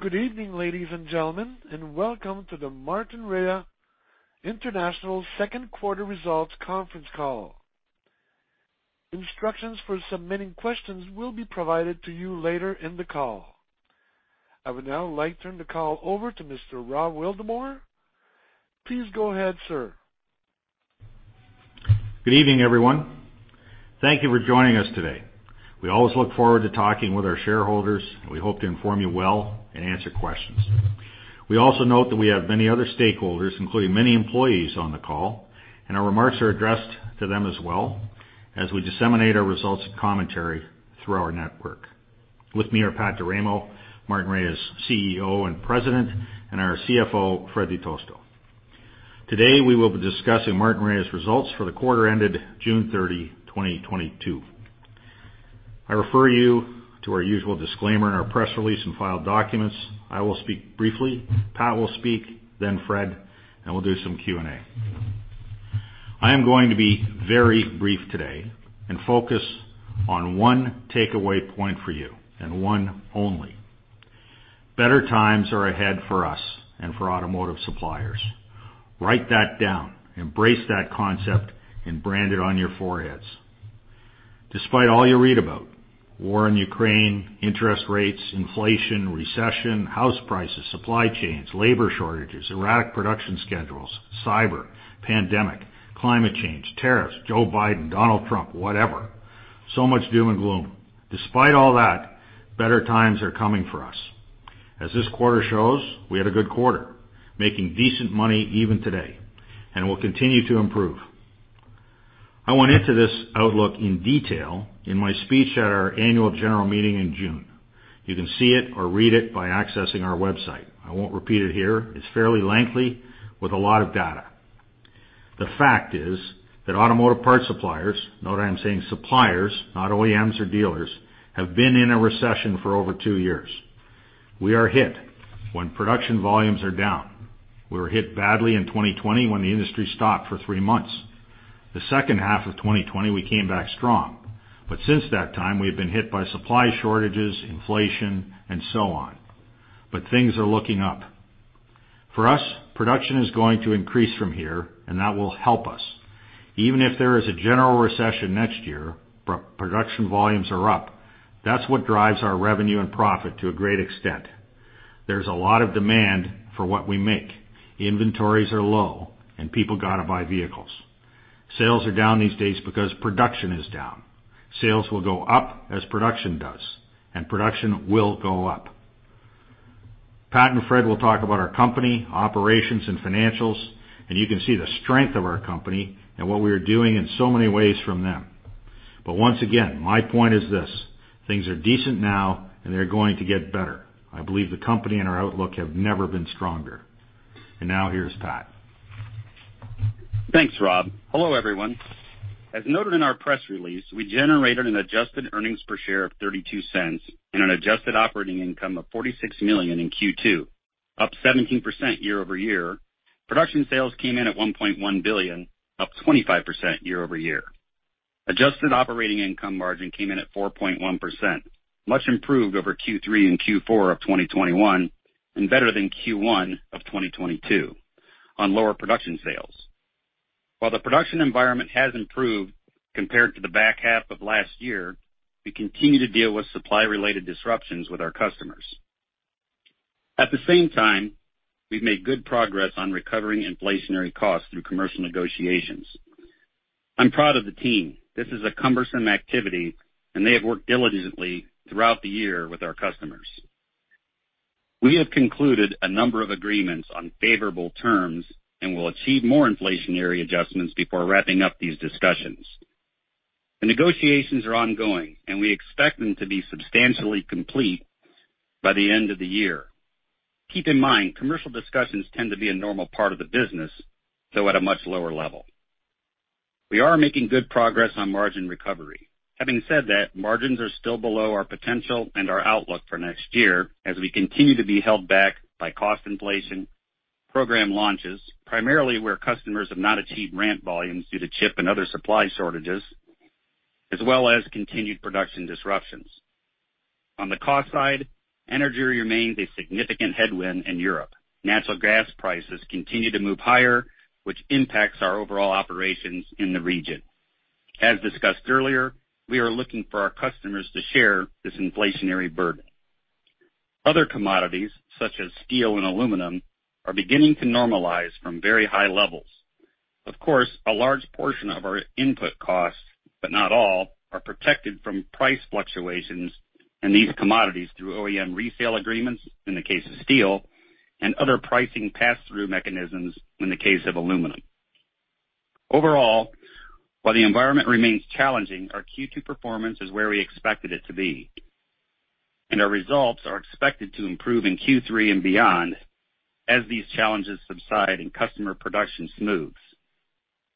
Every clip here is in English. Good evening, ladies and gentlemen, and welcome to the Martinrea International Second Quarter Results Conference Call. Instructions for submitting questions will be provided to you later in the call. I would now like to turn the call over to Mr. Rob Wildeboer. Please go ahead, sir. Good evening, everyone. Thank you for joining us today. We always look forward to talking with our shareholders. We hope to inform you well and answer questions. We also note that we have many other stakeholders, including many employees on the call, and our remarks are addressed to them as well as we disseminate our results and commentary through our network. With me are Pat D'Eramo, Martinrea's CEO and President, and our CFO, Fred Di Tosto. Today, we will be discussing Martinrea's results for the quarter ended June 30, 2022. I refer you to our usual disclaimer in our press release and filed documents. I will speak briefly. Pat will speak, then Fred, and we'll do some Q&A. I am going to be very brief today and focus on one takeaway point for you and one only. Better times are ahead for us and for automotive suppliers. Write that down, embrace that concept, and brand it on your foreheads. Despite all you read about war in Ukraine, interest rates, inflation, recession, house prices, supply chains, labor shortages, erratic production schedules, cyber, pandemic, climate change, tariffs, Joe Biden, Donald Trump, whatever, so much doom and gloom. Despite all that, better times are coming for us. As this quarter shows, we had a good quarter, making decent money even today, and will continue to improve. I went into this outlook in detail in my speech at our annual general meeting in June. You can see it or read it by accessing our website. I won't repeat it here. It's fairly lengthy with a lot of data. The fact is that automotive part suppliers, note I am saying suppliers, not OEMs or dealers, have been in a recession for over two years. We are hit when production volumes are down. We were hit badly in 2020 when the industry stopped for three months. The second half of 2020, we came back strong. Since that time we have been hit by supply shortages, inflation, and so on. Things are looking up. For us, production is going to increase from here, and that will help us. Even if there is a general recession next year, our production volumes are up. That's what drives our revenue and profit to a great extent. There's a lot of demand for what we make. Inventories are low, and people gotta buy vehicles. Sales are down these days because production is down. Sales will go up as production does, and production will go up. Pat and Fred will talk about our company, operations, and financials, and you can see the strength of our company and what we are doing in so many ways from them. Once again, my point is this: things are decent now, and they're going to get better. I believe the company and our outlook have never been stronger. Now here's Pat. Thanks, Rob. Hello, everyone. As noted in our press release, we generated an adjusted earnings per share of 0.32 and an adjusted operating income of 46 million in Q2, up 17% year-over-year. Production sales came in at 1.1 billion, up 25% year-over-year. Adjusted operating income margin came in at 4.1%, much improved over Q3 and Q4 of 2021, and better than Q1 of 2022 on lower production sales. While the production environment has improved compared to the back half of last year, we continue to deal with supply-related disruptions with our customers. At the same time, we've made good progress on recovering inflationary costs through commercial negotiations. I'm proud of the team. This is a cumbersome activity, and they have worked diligently throughout the year with our customers. We have concluded a number of agreements on favorable terms and will achieve more inflationary adjustments before wrapping up these discussions. The negotiations are ongoing, and we expect them to be substantially complete by the end of the year. Keep in mind, commercial discussions tend to be a normal part of the business, though at a much lower level. We are making good progress on margin recovery. Having said that, margins are still below our potential and our outlook for next year as we continue to be held back by cost inflation, program launches, primarily where customers have not achieved ramp volumes due to chip and other supply shortages, as well as continued production disruptions. On the cost side, energy remains a significant headwind in Europe. Natural gas prices continue to move higher, which impacts our overall operations in the region. As discussed earlier, we are looking for our customers to share this inflationary burden. Other commodities, such as steel and aluminum, are beginning to normalize from very high levels. Of course, a large portion of our input costs, but not all, are protected from price fluctuations in these commodities through OEM resale agreements in the case of steel and other pricing pass-through mechanisms in the case of aluminum. Overall, while the environment remains challenging, our Q2 performance is where we expected it to be, and our results are expected to improve in Q3 and beyond as these challenges subside and customer production smooths.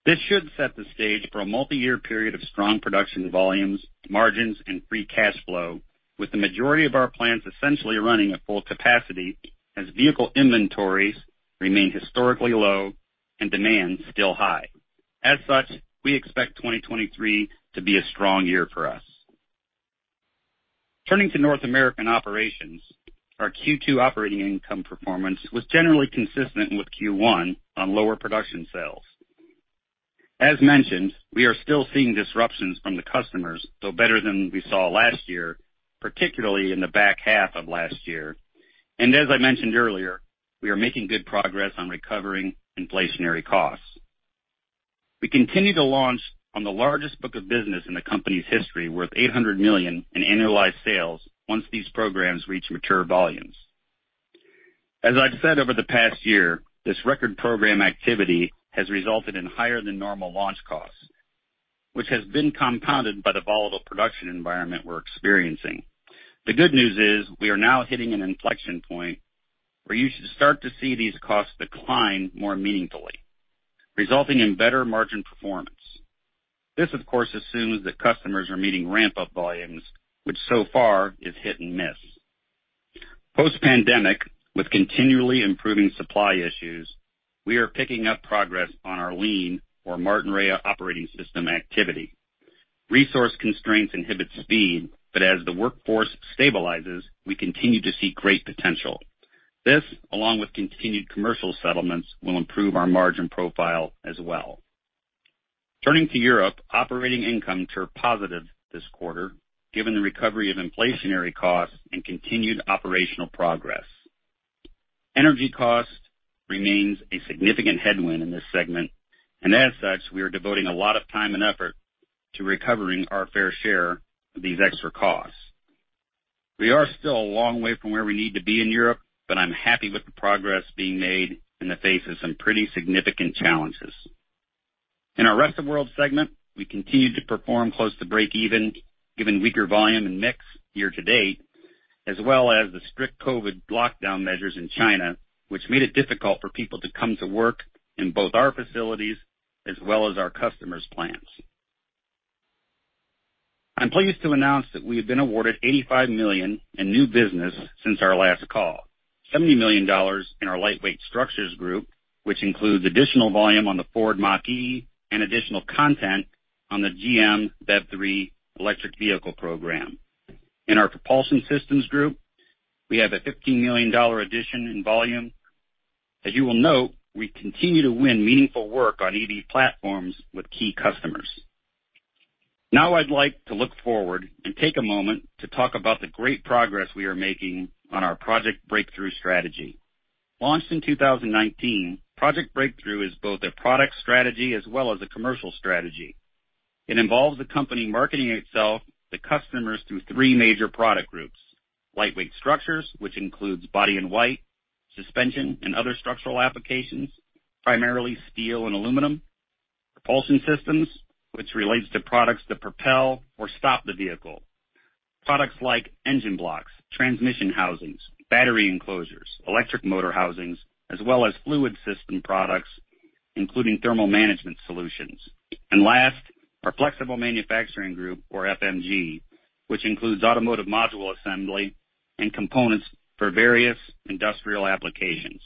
This should set the stage for a multiyear period of strong production volumes, margins, and free cash flow, with the majority of our plants essentially running at full capacity as vehicle inventories remain historically low and demand still high. As such, we expect 2023 to be a strong year for us. Turning to North American operations. Our Q2 operating income performance was generally consistent with Q1 on lower production sales. As mentioned, we are still seeing disruptions from the customers, though better than we saw last year, particularly in the back half of last year. We are making good progress on recovering inflationary costs. We continue to launch on the largest book of business in the company's history, worth 800 million in annualized sales once these programs reach mature volumes. As I've said over the past year, this record program activity has resulted in higher than normal launch costs, which has been compounded by the volatile production environment we're experiencing. The good news is we are now hitting an inflection point where you should start to see these costs decline more meaningfully, resulting in better margin performance. This, of course, assumes that customers are meeting ramp-up volumes, which so far is hit and miss. Post-pandemic, with continually improving supply issues, we are picking up progress on our lean or Martinrea Operating System activity. Resource constraints inhibit speed, but as the workforce stabilizes, we continue to see great potential. This, along with continued commercial settlements, will improve our margin profile as well. Turning to Europe, operating income turned positive this quarter, given the recovery of inflationary costs and continued operational progress. Energy cost remains a significant headwind in this segment, and as such, we are devoting a lot of time and effort to recovering our fair share of these extra costs. We are still a long way from where we need to be in Europe, but I'm happy with the progress being made in the face of some pretty significant challenges. In our Rest of World segment, we continue to perform close to breakeven given weaker volume and mix year to date, as well as the strict COVID lockdown measures in China, which made it difficult for people to come to work in both our facilities as well as our customers' plants. I'm pleased to announce that we have been awarded 85 million in new business since our last call. 70 million dollars in our Lightweight Structures group, which includes additional volume on the Ford Mach-E and additional content on the GM BEV3 electric vehicle program. In our Propulsion Systems group, we have a 15 million dollar addition in volume. As you will note, we continue to win meaningful work on EV platforms with key customers. Now I'd like to look forward and take a moment to talk about the great progress we are making on our Project BreakThrough strategy. Launched in 2019, Project BreakThrough is both a product strategy as well as a commercial strategy. It involves the company marketing itself to customers through three major product groups: Lightweight Structures, which includes body in white, suspension and other structural applications, primarily steel and aluminum. Propulsion Systems, which relates to products that propel or stop the vehicle. Products like engine blocks, transmission housings, battery enclosures, electric motor housings, as well as fluid system products, including thermal management solutions. Last, our Flexible Manufacturing Group or FMG, which includes automotive module assembly and components for various industrial applications.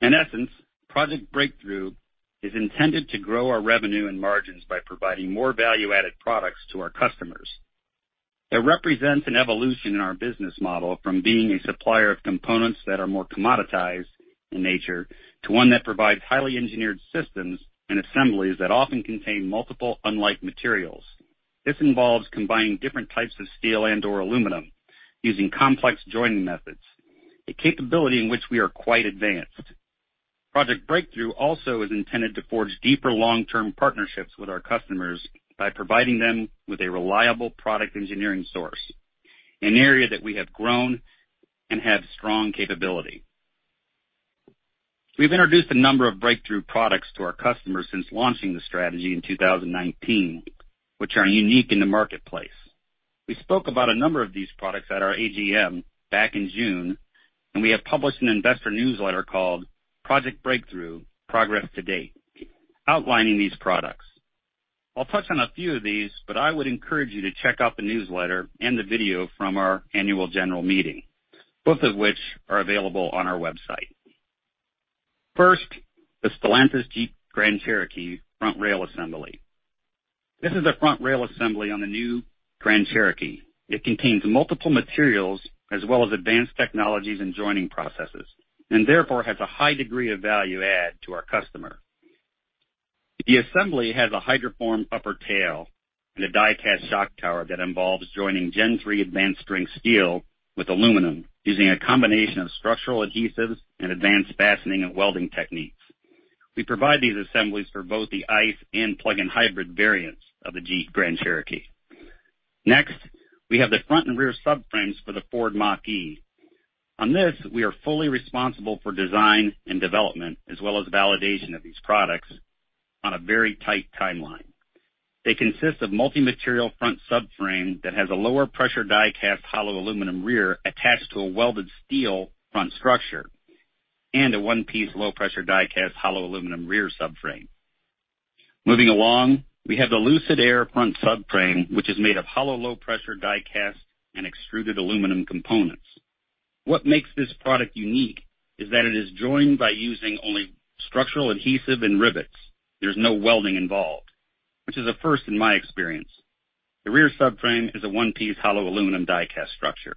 In essence, Project BreakThrough is intended to grow our revenue and margins by providing more value-added products to our customers. It represents an evolution in our business model from being a supplier of components that are more commoditized in nature to one that provides highly engineered systems and assemblies that often contain multiple unlike materials. This involves combining different types of steel and/or aluminum using complex joining methods, a capability in which we are quite advanced. Project BreakThrough also is intended to forge deeper long-term partnerships with our customers by providing them with a reliable product engineering source, an area that we have grown and have strong capability. We've introduced a number of breakthrough products to our customers since launching the strategy in 2019, which are unique in the marketplace. We spoke about a number of these products at our AGM back in June, and we have published an investor newsletter called Project BreakThrough Progress to Date outlining these products. I'll touch on a few of these, but I would encourage you to check out the newsletter and the video from our annual general meeting, both of which are available on our website. First, the Stellantis Jeep Grand Cherokee front rail assembly. This is a front rail assembly on the new Grand Cherokee. It contains multiple materials as well as advanced technologies and joining processes, and therefore has a high degree of value add to our customer. The assembly has a hydroformed upper rail and a die-cast shock tower that involves joining Gen 3 advanced high-strength steel with aluminum using a combination of structural adhesives and advanced fastening and welding techniques. We provide these assemblies for both the ICE and plug-in hybrid variants of the Jeep Grand Cherokee. Next, we have the front and rear subframes for the Ford Mach-E. On this, we are fully responsible for design and development as well as validation of these products on a very tight timeline. They consist of multi-material front subframe that has a low-pressure die-cast hollow aluminum rear attached to a welded steel front structure and a one-piece low-pressure die-cast hollow aluminum rear subframe. Moving along, we have the Lucid Air front subframe, which is made of hollow low pressure die-cast and extruded aluminum components. What makes this product unique is that it is joined by using only structural adhesive and rivets. There's no welding involved, which is a first in my experience. The rear subframe is a one-piece hollow aluminum die-cast structure.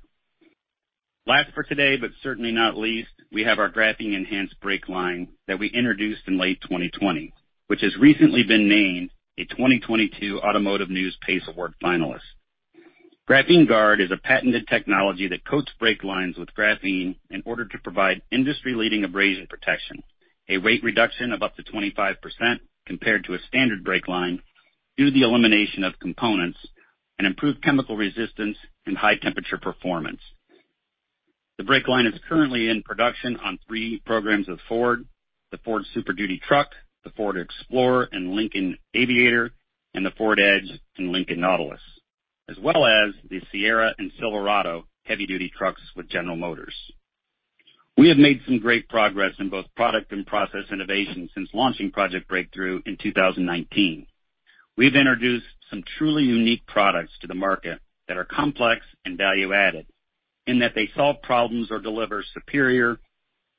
Last for today, but certainly not least, we have our graphene-enhanced brake line that we introduced in late 2020, which has recently been named a 2022 Automotive News PACE Award finalist. GrapheneGuard is a patented technology that coats brake lines with graphene in order to provide industry-leading abrasion protection, a weight reduction of up to 25% compared to a standard brake line due to the elimination of components, and improved chemical resistance and high temperature performance. The brake line is currently in production on three programs with Ford, the Ford Super Duty truck, the Ford Explorer, and Lincoln Aviator, and the Ford Edge and Lincoln Nautilus, as well as the Sierra and Silverado heavy-duty trucks with General Motors. We have made some great progress in both product and process innovation since launching Project BreakThrough in 2019. We've introduced some truly unique products to the market that are complex and value-added in that they solve problems or deliver superior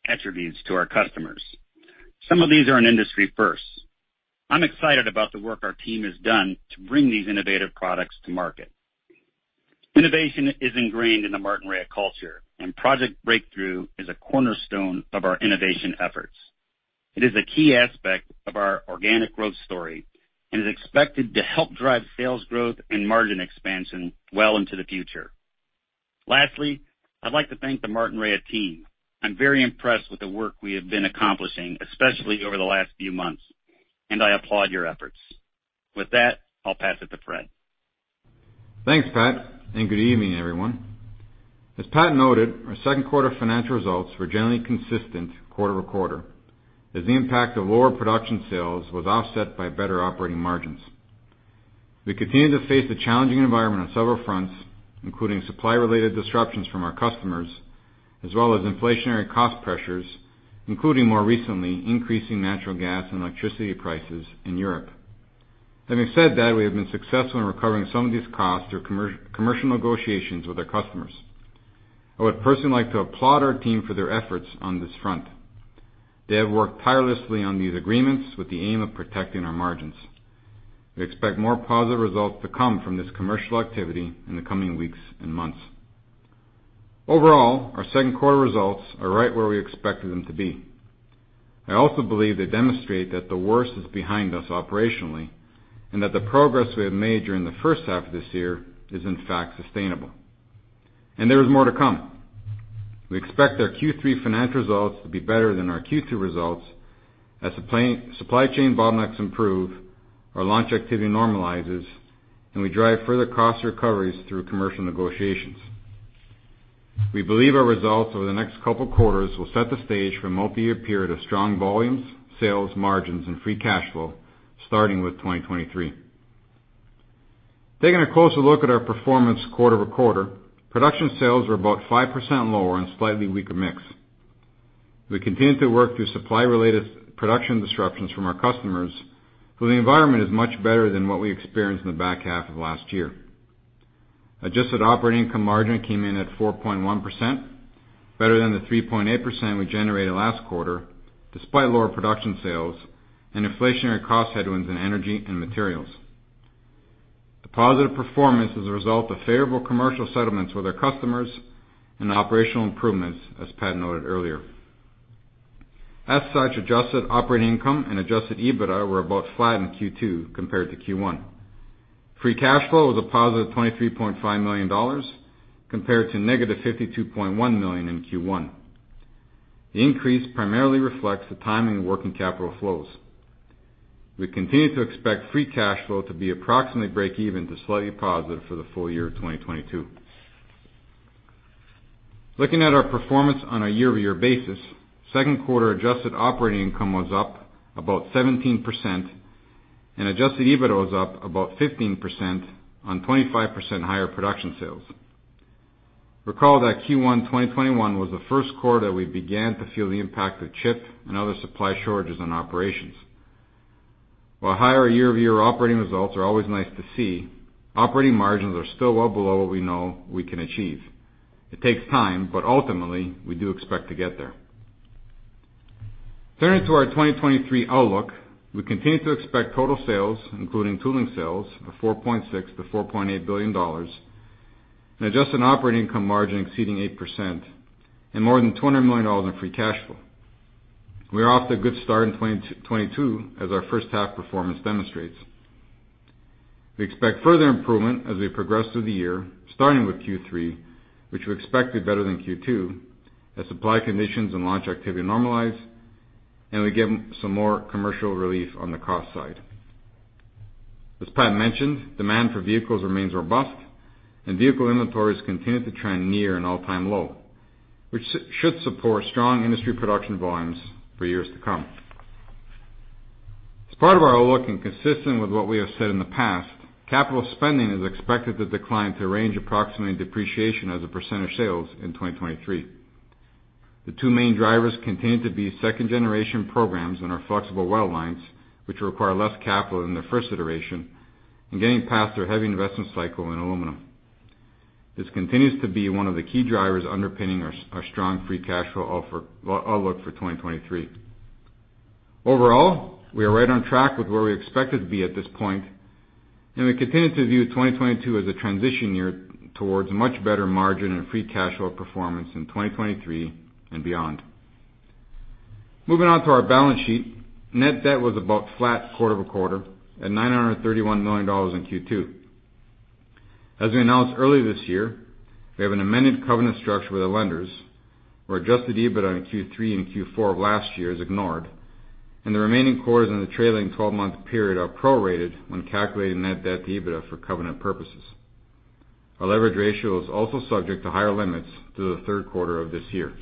attributes to our customers. Some of these are an industry first. I'm excited about the work our team has done to bring these innovative products to market. Innovation is ingrained in the Martinrea culture, and Project BreakThrough is a cornerstone of our innovation efforts. It is a key aspect of our organic growth story and is expected to help drive sales growth and margin expansion well into the future. Lastly, I'd like to thank the Martinrea team. I'm very impressed with the work we have been accomplishing, especially over the last few months, and I applaud your efforts. With that, I'll pass it to Fred. Thanks, Pat, and good evening, everyone. As Pat noted, our second quarter financial results were generally consistent quarter over quarter as the impact of lower production sales was offset by better operating margins. We continue to face a challenging environment on several fronts, including supply-related disruptions from our customers as well as inflationary cost pressures, including more recently, increasing natural gas and electricity prices in Europe. Having said that, we have been successful in recovering some of these costs through commercial negotiations with our customers. I would personally like to applaud our team for their efforts on this front. They have worked tirelessly on these agreements with the aim of protecting our margins. We expect more positive results to come from this commercial activity in the coming weeks and months. Overall, our second quarter results are right where we expected them to be. I also believe they demonstrate that the worst is behind us operationally and that the progress we have made during the first half of this year is in fact sustainable. There is more to come. We expect our Q3 financial results to be better than our Q2 results as supply chain bottlenecks improve, our launch activity normalizes, and we drive further cost recoveries through commercial negotiations. We believe our results over the next couple quarters will set the stage for a multi-year period of strong volumes, sales margins, and free cash flow, starting with 2023. Taking a closer look at our performance quarter-over-quarter, production sales were about 5% lower and slightly weaker mix. We continue to work through supply-related production disruptions from our customers, though the environment is much better than what we experienced in the back half of last year. Adjusted operating income margin came in at 4.1%, better than the 3.8% we generated last quarter, despite lower production sales and inflationary cost headwinds in energy and materials. The positive performance is a result of favorable commercial settlements with our customers and operational improvements, as Pat noted earlier. As such, adjusted operating income and adjusted EBITDA were about flat in Q2 compared to Q1. Free cash flow was +23.5 million dollars compared to -52.1 million in Q1. The increase primarily reflects the timing of working capital flows. We continue to expect free cash flow to be approximately breakeven to slightly positive for the full year of 2022. Looking at our performance on a year-over-year basis, second quarter adjusted operating income was up about 17%, and adjusted EBITDA was up about 15% on 25% higher production sales. Recall that Q1 2021 was the first quarter we began to feel the impact of chip and other supply shortages on operations. While higher year-over-year operating results are always nice to see, operating margins are still well below what we know we can achieve. It takes time, but ultimately, we do expect to get there. Turning to our 2023 outlook, we continue to expect total sales, including tooling sales, of $4.6 billion-$4.8 billion and adjusted operating income margin exceeding 8% and more than $200 million in free cash flow. We are off to a good start in 2022, as our first half performance demonstrates. We expect further improvement as we progress through the year, starting with Q3, which we expect to be better than Q2, as supply conditions and launch activity normalize, and we get some more commercial relief on the cost side. As Pat mentioned, demand for vehicles remains robust and vehicle inventories continue to trend near an all-time low, which should support strong industry production volumes for years to come. As part of our outlook and consistent with what we have said in the past, capital spending is expected to decline to a range approximately depreciation as a percent of sales in 2023. The two main drivers continue to be second-generation programs in our flexible weld lines, which require less capital than their first iteration, and getting past their heavy investment cycle in aluminum. This continues to be one of the key drivers underpinning our strong free cash flow outlook for 2023. Overall, we are right on track with where we expected to be at this point, and we continue to view 2022 as a transition year towards a much better margin and free cash flow performance in 2023 and beyond. Moving on to our balance sheet, net debt was about flat quarter-over-quarter at $931 million in Q2. As we announced earlier this year, we have an amended covenant structure with the lenders, where adjusted EBITDA in Q3 and Q4 of last year is ignored, and the remaining quarters in the trailing 12-month period are prorated when calculating net debt to EBITDA for covenant purposes. Our leverage ratio is also subject to higher limits through the third quarter of this year.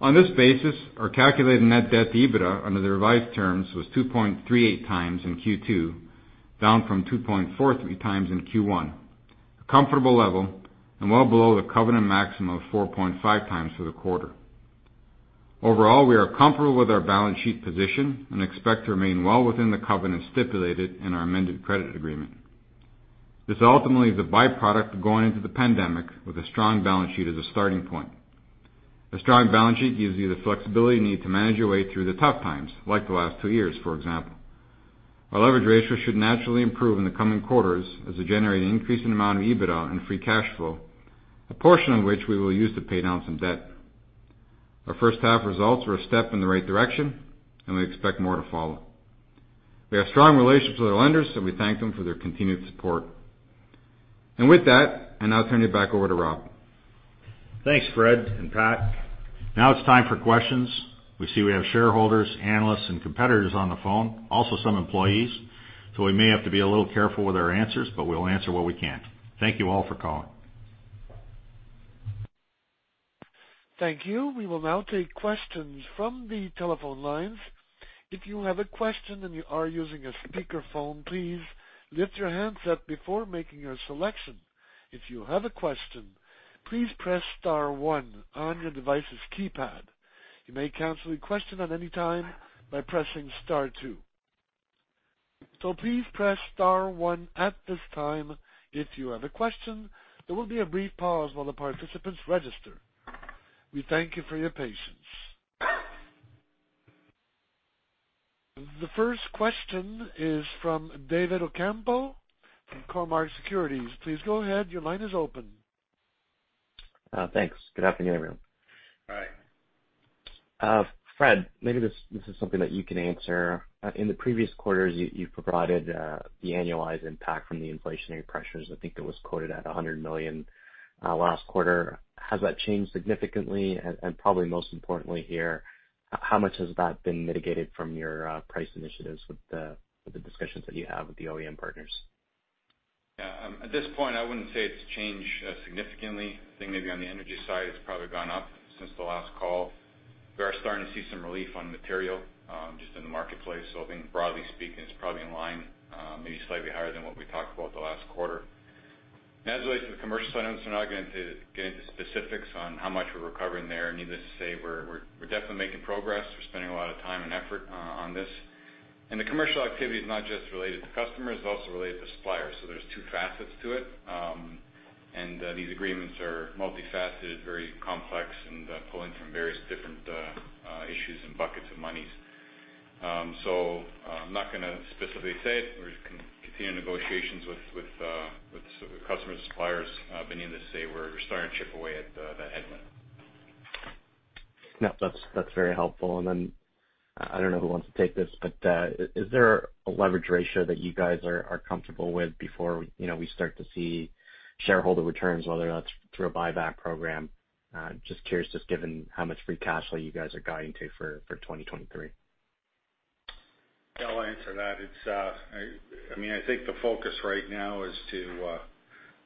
On this basis, our calculated net debt to EBITDA under the revised terms was 2.38x in Q2, down from 2.43x in Q1, a comfortable level and well below the covenant maximum of 4.5x for the quarter. Overall, we are comfortable with our balance sheet position and expect to remain well within the covenants stipulated in our amended credit agreement. This ultimately is a byproduct of going into the pandemic with a strong balance sheet as a starting point. A strong balance sheet gives you the flexibility you need to manage your way through the tough times, like the last two years, for example. Our leverage ratio should naturally improve in the coming quarters as we generate an increasing amount of EBITDA and free cash flow, a portion of which we will use to pay down some debt. Our first half results were a step in the right direction, and we expect more to follow. We have strong relationships with our lenders, and we thank them for their continued support. With that, I'll now turn it back over to Rob. Thanks, Fred and Pat. Now it's time for questions. We see we have shareholders, analysts, and competitors on the phone, also some employees, so we may have to be a little careful with our answers, but we'll answer what we can. Thank you all for calling. Thank you. We will now take questions from the telephone lines. If you have a question and you are using a speakerphone, please lift your handset before making your selection. If you have a question, please press star one on your device's keypad. You may cancel your question at any time by pressing star two. Please press star one at this time if you have a question. There will be a brief pause while the participants register. We thank you for your patience. The first question is from David Ocampo from Cormark Securities. Please go ahead. Your line is open. Thanks. Good afternoon, everyone. Hi. Fred, maybe this is something that you can answer. In the previous quarters, you've provided the annualized impact from the inflationary pressures. I think it was quoted at 100 million last quarter. Has that changed significantly? Probably most importantly here, how much has that been mitigated from your price initiatives with the discussions that you have with the OEM partners? Yeah, at this point, I wouldn't say it's changed significantly. I think maybe on the energy side, it's probably gone up since the last call. We are starting to see some relief on material just in the marketplace. I think broadly speaking, it's probably in line, maybe slightly higher than what we talked about the last quarter. As it relates to the commercial side, I'm just not going to get into specifics on how much we're recovering there. Needless to say, we're definitely making progress. We're spending a lot of time and effort on this. The commercial activity is not just related to customers, it's also related to suppliers. There's two facets to it. These agreements are multifaceted, very complex, and pulling from various different issues and buckets of monies. I'm not gonna specifically say it. We're continuing negotiations with customer suppliers. Needless to say, we're starting to chip away at the headwind. No, that's very helpful. Then I don't know who wants to take this, but is there a leverage ratio that you guys are comfortable with before, you know, we start to see shareholder returns, whether that's through a buyback program? Just curious, just given how much free cash flow you guys are guiding to for 2023. Yeah, I'll answer that. It's I mean, I think the focus right now is to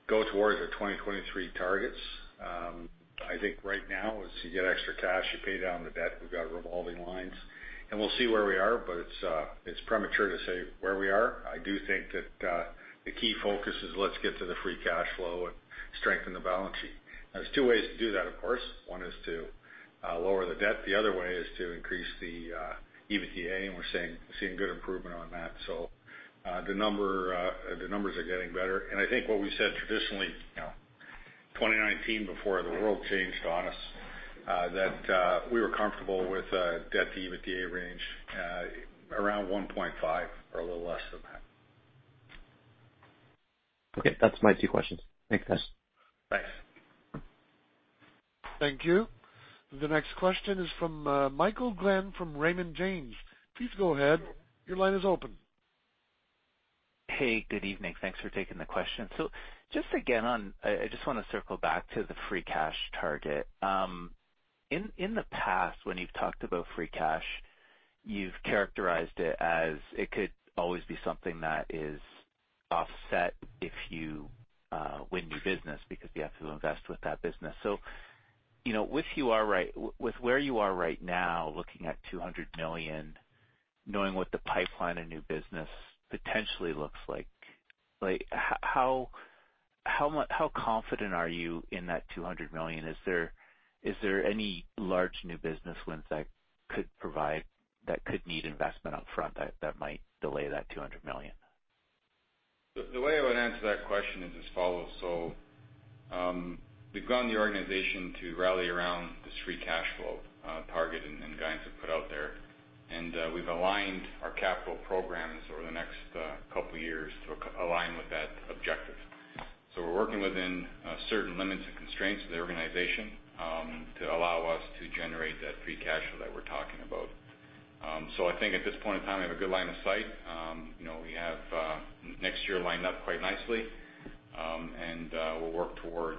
go towards our 2023 targets. I think right now is to get extra cash to pay down the debt. We've got revolving lines, and we'll see where we are, but it's premature to say where we are. I do think that the key focus is let's get to the free cash flow and strengthen the balance sheet. Now, there's two ways to do that, of course. One is to lower the debt. The other way is to increase the EBITDA, and we're seeing good improvement on that. The numbers are getting better. I think what we said traditionally, you know, 2019 before the world changed on us, that we were comfortable with a debt-to-EBITDA range around 1.5 or a little less than that. Okay. That's my two questions. Thanks, guys. Thanks. Thank you. The next question is from, Michael Glen from Raymond James. Please go ahead. Your line is open. Hey, good evening. Thanks for taking the question. Just again on the free cash target. I just wanna circle back to the free cash target. In the past, when you've talked about free cash, you've characterized it as it could always be something that is offset if you win new business because you have to invest with that business. You know, with where you are right now, looking at 200 million, knowing what the pipeline and new business potentially looks like how confident are you in that 200 million? Is there any large new business wins that could need investment up front that might delay that 200 million? The way I would answer that question is as follows: We've gotten the organization to rally around this free cash flow target and guidance we've put out there. We've aligned our capital programs over the next couple years to align with that objective. We're working within certain limits and constraints of the organization to allow us to generate that free cash flow that we're talking about. I think at this point in time, we have a good line of sight. You know, we have next year lined up quite nicely. We'll work toward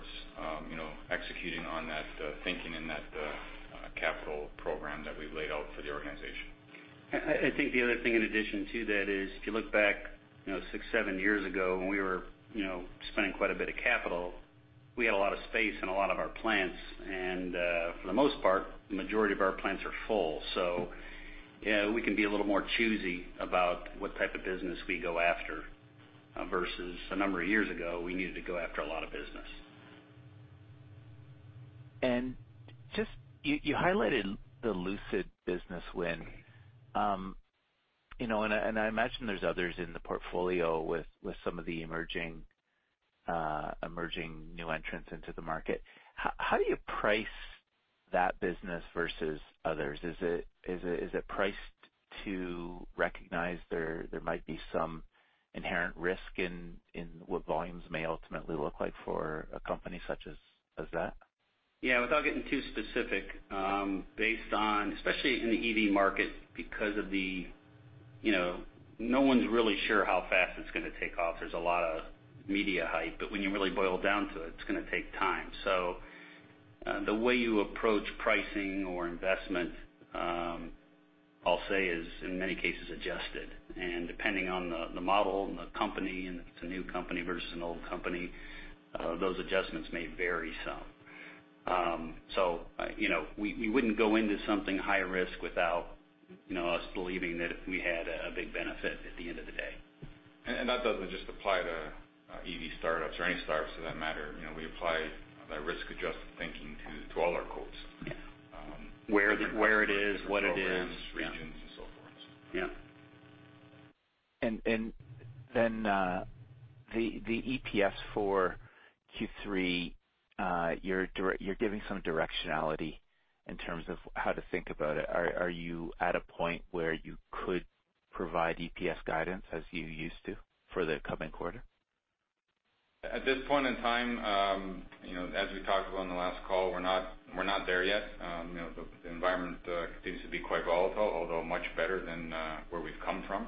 you know, executing on that thinking and that capital program that we've laid out for the organization. I think the other thing in addition to that is, if you look back, you know, six, seven years ago, when we were, you know, spending quite a bit of capital, we had a lot of space in a lot of our plants. For the most part, the majority of our plants are full. You know, we can be a little more choosy about what type of business we go after, versus a number of years ago, we needed to go after a lot of business. You highlighted the Lucid business win. You know, I imagine there's others in the portfolio with some of the emerging new entrants into the market. How do you price that business versus others? Is it priced to recognize there might be some inherent risk in what volumes may ultimately look like for a company such as that? Yeah. Without getting too specific, based on especially in the EV market, because of the, you know, no one's really sure how fast it's gonna take off. There's a lot of media hype. When you really boil down to it's gonna take time. The way you approach pricing or investment, I'll say is in many cases adjusted. Depending on the model and the company, and if it's a new company versus an old company, those adjustments may vary some. You know, we wouldn't go into something high risk without, you know, us believing that if we had a big benefit at the end of the day. That doesn't just apply to EV startups or any startups for that matter. You know, we apply that risk-adjusted thinking to all our quotes. Yeah. Um. Where it is, what it is. Programs, regions, and so forth. Yeah. Then the EPS for Q3, you're giving some directionality in terms of how to think about it. Are you at a point where you could provide EPS guidance as you used to for the coming quarter? At this point in time, you know, as we talked about on the last call, we're not there yet. You know, the environment continues to be quite volatile, although much better than where we've come from.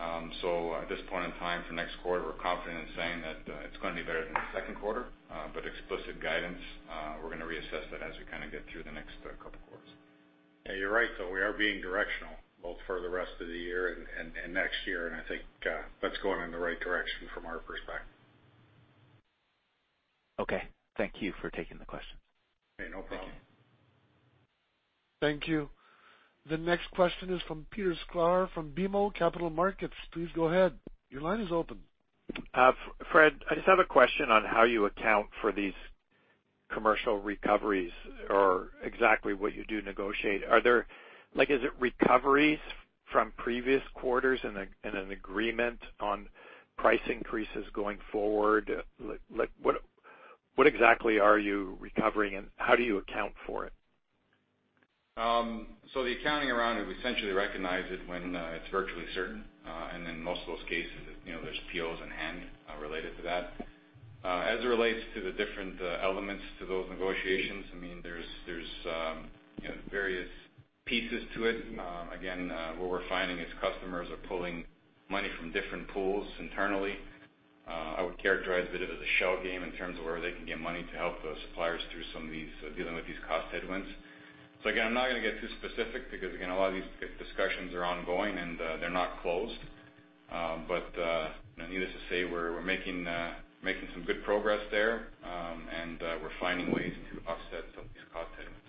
At this point in time for next quarter, we're confident in saying that it's gonna be better than the second quarter. Explicit guidance, we're gonna reassess that as we kinda get through the next couple quarters. Yeah, you're right, though. We are being directional both for the rest of the year and next year. I think that's going in the right direction from our perspective. Okay. Thank you for taking the questions. Hey, no problem. Thank you. Thank you. The next question is from Peter Sklar from BMO Capital Markets. Please go ahead. Your line is open. Fred, I just have a question on how you account for these commercial recoveries or exactly what you do negotiate. Are there recoveries from previous quarters and an agreement on price increases going forward? Like, what exactly are you recovering, and how do you account for it? The accounting around it, we essentially recognize it when it's virtually certain. In most of those cases, you know, there's POs in hand, related to that. As it relates to the different elements to those negotiations, I mean, there's you know various pieces to it. Again, what we're finding is customers are pulling money from different pools internally. I would characterize a bit of it as a shell game in terms of where they can get money to help the suppliers through some of these, dealing with these cost headwinds. Again, I'm not gonna get too specific because, again, a lot of these discussions are ongoing, and they're not closed. You know, needless to say, we're making some good progress there. We're finding ways to offset some of these cost headwinds.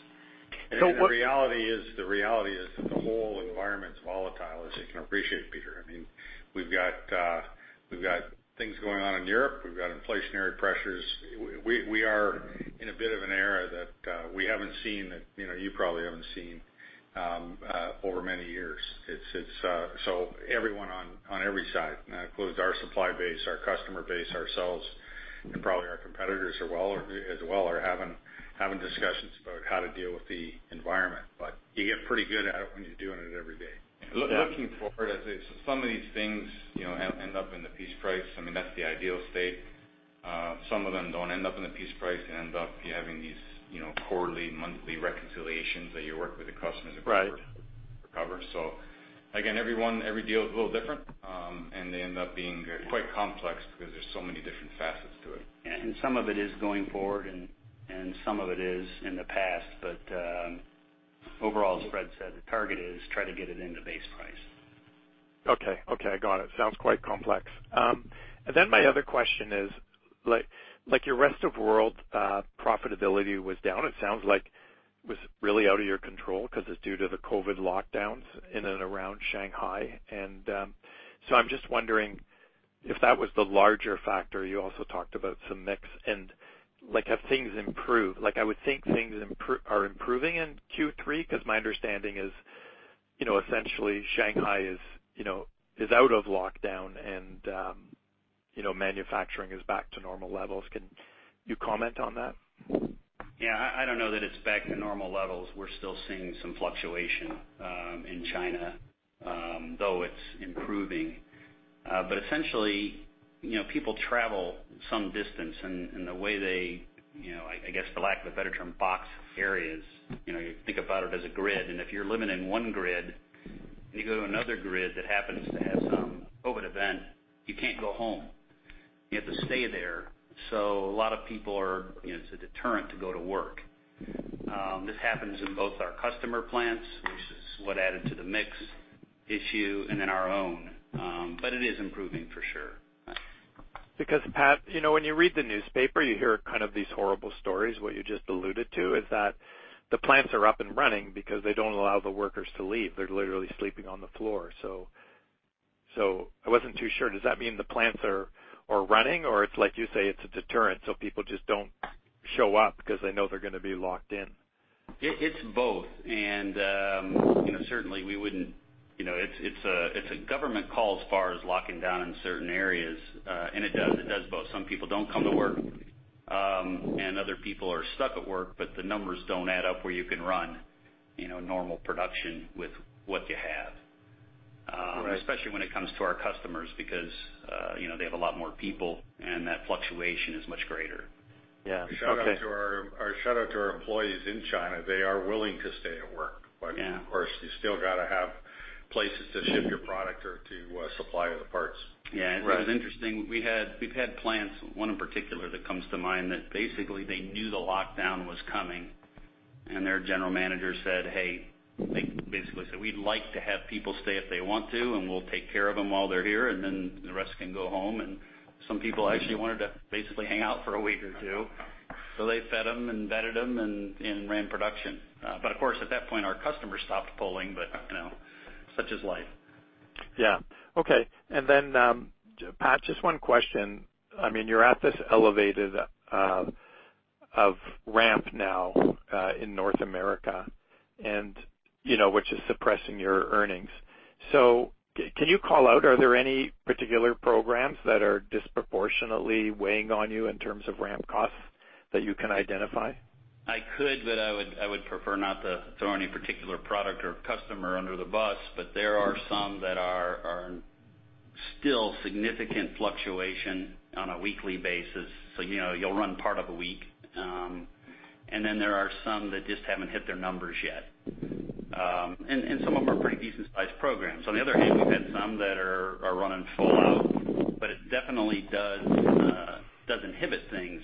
So what- The reality is that the whole environment's volatile, as you can appreciate, Peter. I mean, we've got things going on in Europe. We've got inflationary pressures. We are in a bit of an era that we haven't seen, that you know you probably haven't seen over many years. It's so everyone on every side, and that includes our supply base, our customer base, ourselves, and probably our competitors as well are having discussions about how to deal with the environment. You get pretty good at it when you're doing it every day. Looking forward, I'd say some of these things, you know, end up in the piece price. I mean, that's the ideal state. Some of them don't end up in the piece price. They end up with you having these, you know, quarterly, monthly reconciliations that you work with the customers. Right to recover. Again, every one, every deal is a little different. They end up being quite complex because there's so many different facets to it. Some of it is going forward, and some of it is in the past. Overall, as Fred said, the target is try to get it into base price. Okay. Okay, I got it. Sounds quite complex. My other question is, like, your Rest of World profitability was down. It sounds like it was really out of your control because it's due to the COVID lockdowns in and around Shanghai. I'm just wondering if that was the larger factor. You also talked about some mix and like, have things improved? Like, I would think things are improving in Q3 because my understanding is, you know, essentially Shanghai is, you know, out of lockdown and, you know, manufacturing is back to normal levels. Can you comment on that? Yeah. I don't know that it's back to normal levels. We're still seeing some fluctuation in China, though it's improving. Essentially, you know, people travel some distance, and the way they, you know, I guess for lack of a better term, box areas, you know, you think about it as a grid. If you're living in one grid and you go to another grid that happens to have some COVID event, you can't go home. You have to stay there. A lot of people are, you know, it's a deterrent to go to work. This happens in both our customer plants, which is what added to the mix issue and then our own. It is improving for sure. Because Pat, you know, when you read the newspaper, you hear kind of these horrible stories. What you just alluded to is that the plants are up and running because they don't allow the workers to leave. They're literally sleeping on the floor. So I wasn't too sure. Does that mean the plants are running or it's like you say, it's a deterrent, so people just don't show up because they know they're gonna be locked in? It's both. You know, certainly we wouldn't. You know, it's a government call as far as locking down in certain areas. It does both. Some people don't come to work, and other people are stuck at work, but the numbers don't add up where you can run, you know, normal production with what you have. Right. Especially when it comes to our customers because, you know, they have a lot more people, and that fluctuation is much greater. Yeah. Okay. Shout out to our employees in China. They are willing to stay at work. Yeah. Of course, you still got to have places to ship your product or to supply the parts. Yeah. Right. It was interesting. We've had plants, one in particular that comes to mind, that basically they knew the lockdown was coming, and their general manager said, "Hey," they basically said, "We'd like to have people stay if they want to, and we'll take care of them while they're here, and then the rest can go home." Some people actually wanted to basically hang out for a week or two, so they fed them and bedded them and ran production. Of course, at that point, our customers stopped pulling. You know, such is life. Yeah. Okay. Then, Pat, just one question. I mean, you're at this elevated ramp now in North America and, you know, which is suppressing your earnings. Can you call out, are there any particular programs that are disproportionately weighing on you in terms of ramp costs that you can identify? I could, but I would prefer not to throw any particular product or customer under the bus. There are some that are still significant fluctuation on a weekly basis. You know, you'll run part of a week. There are some that just haven't hit their numbers yet. Some of them are pretty decent sized programs. On the other hand, we've had some that are running full out, but it definitely does inhibit things.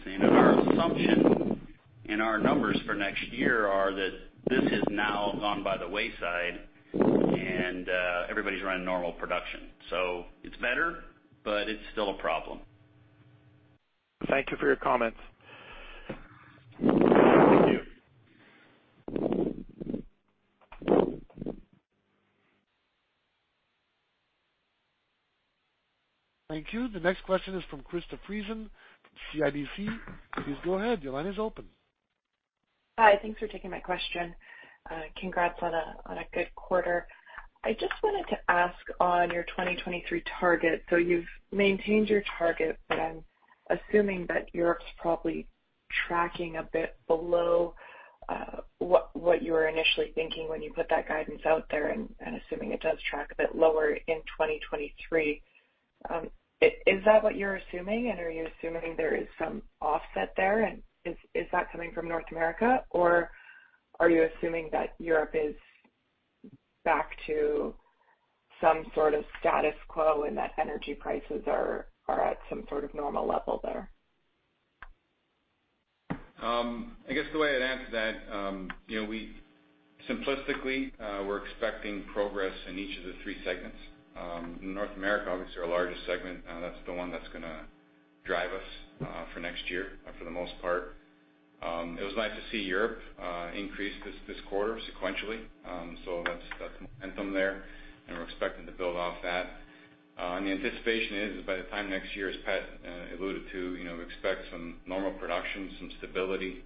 Our assumption in our numbers for next year are that this has now gone by the wayside and everybody's running normal production. It's better, but it's still a problem. Thank you for your comments. Thank you. Thank you. The next question is from Krista Friesen from CIBC. Please go ahead. Your line is open. Hi. Thanks for taking my question. Congrats on a good quarter. I just wanted to ask on your 2023 target. You've maintained your target, but I'm assuming that Europe's probably tracking a bit below what you were initially thinking when you put that guidance out there and assuming it does track a bit lower in 2023. Is that what you're assuming? And are you assuming there is some offset there? And is that coming from North America, or are you assuming that Europe is back to some sort of status quo and that energy prices are at some sort of normal level there? I guess the way I'd answer that, you know, simplistically, we're expecting progress in each of the three segments. North America, obviously our largest segment, that's the one that's gonna drive us, for next year for the most part. It was nice to see Europe increase this quarter sequentially. That's momentum there, and we're expecting to build off that. The anticipation is by the time next year, as Pat alluded to, you know, we expect some normal production, some stability.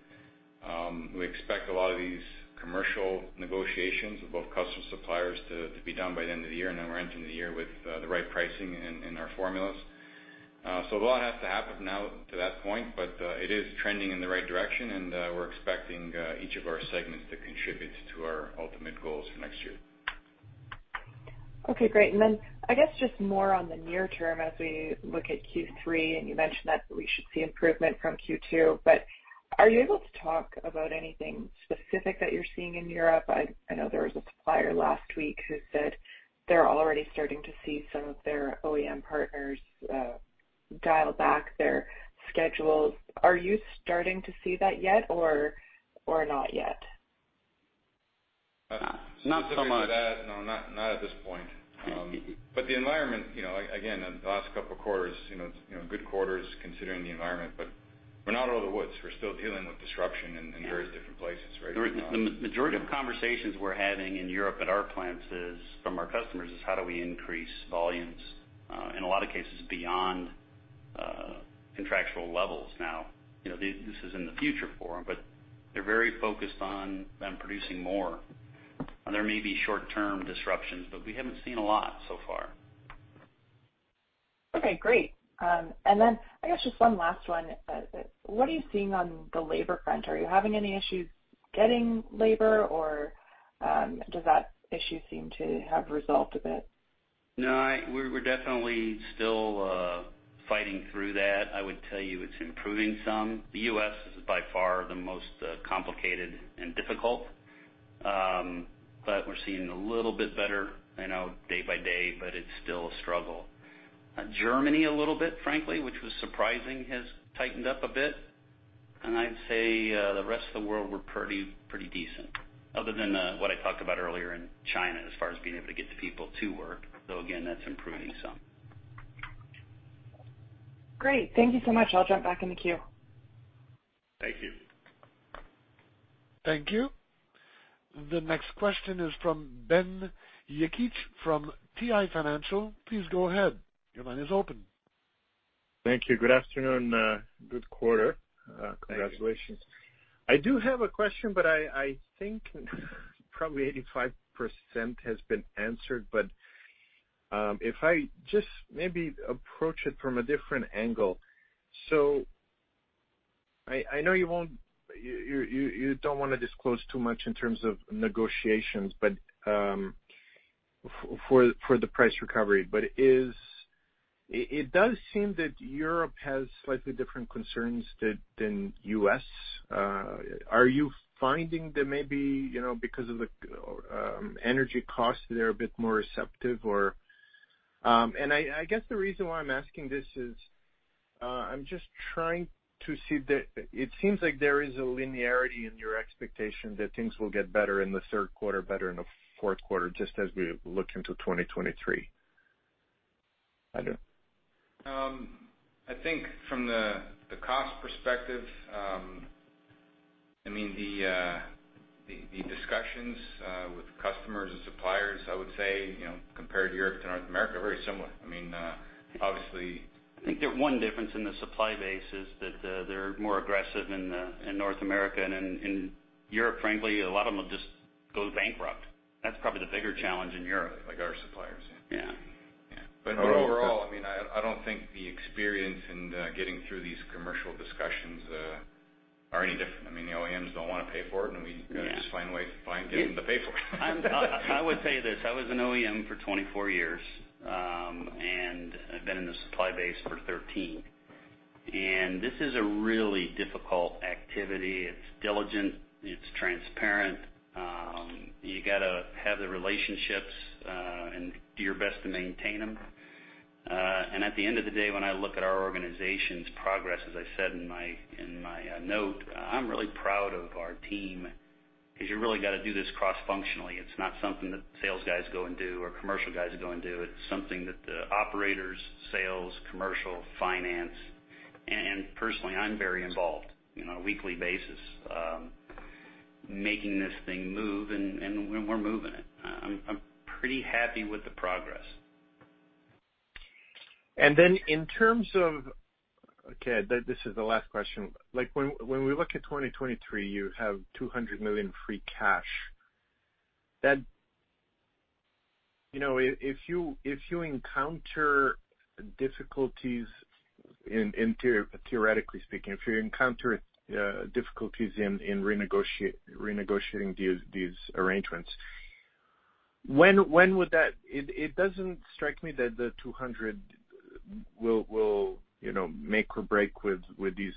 We expect a lot of these commercial negotiations with both customers, suppliers to be done by the end of the year, and then we're entering the year with the right pricing in our formulas. A lot has to happen now to that point, but it is trending in the right direction, and we're expecting each of our segments to contribute to our ultimate goals for next year. Okay, great. I guess just more on the near term as we look at Q3, and you mentioned that we should see improvement from Q2. Are you able to talk about anything specific that you're seeing in Europe? I know there was a supplier last week who said they're already starting to see some of their OEM partners dial back their schedules. Are you starting to see that yet or not yet? Not so much. Specifically to that, no, not at this point. The environment, you know, again, the last couple of quarters, you know, it's, you know, good quarters considering the environment, but we're not out of the woods. We're still dealing with disruption in various different places, right? The majority of conversations we're having in Europe at our plants is from our customers is how do we increase volumes, in a lot of cases beyond contractual levels now. You know, this is in the future for them, but they're very focused on them producing more. There may be short-term disruptions, but we haven't seen a lot so far. Okay, great. I guess just one last one. What are you seeing on the labor front? Are you having any issues getting labor, or, does that issue seem to have resolved a bit? No, we're definitely still fighting through that. I would tell you it's improving some. The U.S. is by far the most complicated and difficult, but we're seeing a little bit better, you know, day by day, but it's still a struggle. Germany a little bit, frankly, which was surprising, has tightened up a bit. I'd say the rest of the world were pretty decent, other than what I talked about earlier in China as far as being able to get the people to work, though again, that's improving some. Great. Thank you so much. I'll jump back in the queue. Thank you. Thank you. The next question is from Ben Jakich from PI Financial. Please go ahead. Your line is open. Thank you. Good afternoon. Good quarter. Congratulations. Thank you. I do have a question, but I think probably 85% has been answered. If I just maybe approach it from a different angle. I know you don't wanna disclose too much in terms of negotiations, but for the price recovery. It does seem that Europe has slightly different concerns than U.S. Are you finding that maybe, you know, because of the energy costs, they're a bit more receptive, or I guess the reason why I'm asking this is I'm just trying to see that it seems like there is a linearity in your expectation that things will get better in the third quarter, better in the fourth quarter, just as we look into 2023. D'Eramo? I think from the cost perspective, I mean, the discussions with customers and suppliers, I would say, you know, compared Europe to North America, are very similar. I mean, obviously. I think the one difference in the supply base is that, they're more aggressive in North America. In Europe, frankly, a lot of them will just go bankrupt. That's probably the bigger challenge in Europe. Like our suppliers. Yeah. Yeah. Overall, I mean, I don't think the experience in getting through these commercial discussions are any different. I mean, the OEMs don't wanna pay for it, and we gotta just find a way to get them to pay for it. I would say this, I was an OEM for 24 years, and I've been in the supply base for 13, and this is a really difficult activity. It's diligent, it's transparent. You gotta have the relationships, and do your best to maintain them. And at the end of the day, when I look at our organization's progress, as I said in my note, I'm really proud of our team because you really gotta do this cross-functionally. It's not something that sales guys go and do or commercial guys go and do. It's something that the operators, sales, commercial, finance, and personally, I'm very involved, on a weekly basis, making this thing move and we're moving it. I'm pretty happy with the progress. Okay, this is the last question. Like, when we look at 2023, you have 200 million free cash. You know, theoretically speaking, if you encounter difficulties in renegotiating these arrangements, when would that. It doesn't strike me that the 200 will, you know, make or break with these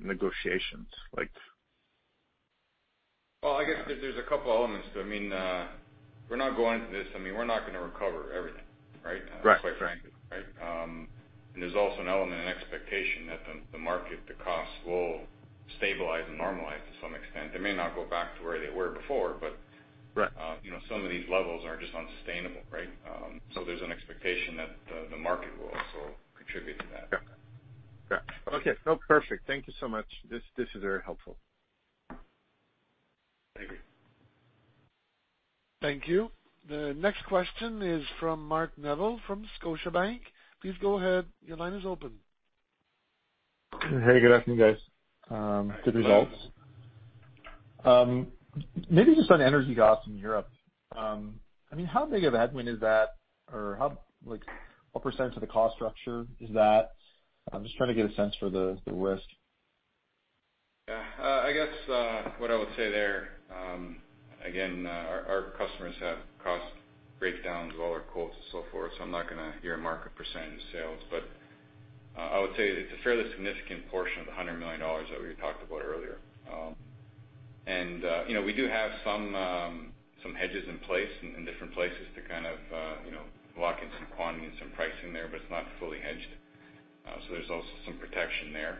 negotiations, like. Well, I guess there's a couple elements. I mean, we're not gonna recover everything, right? Right, right. Quite frankly, right? There's also an element and expectation that the market, the costs will stabilize and normalize to some extent. They may not go back to where they were before, but. Right. You know, some of these levels are just unsustainable, right? There's an expectation that the market will also contribute to that. Yeah. Yeah. Okay. No, perfect. Thank you so much. This is very helpful. Thank you. Thank you. The next question is from Mark Neville from Scotiabank. Please go ahead. Your line is open. Hey, good afternoon, guys. Good results. Maybe just on energy costs in Europe, I mean, how big of a headwind is that or how, like, what percent of the cost structure is that? I'm just trying to get a sense for the risk. Yeah. I guess what I would say there, again, our customers have cost breakdowns of all our quotes and so forth, so I'm not gonna give a margin or percent in sales. I would say it's a fairly significant portion of the 100 million dollars that we talked about earlier. You know, we do have some hedges in place in different places to kind of you know lock in some quantity and some pricing there, but it's not fully hedged. There's also some protection there.